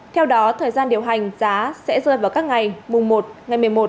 theo đó thời gian điều hành giá sẽ rơi vào các ngày mùng một ngày một mươi một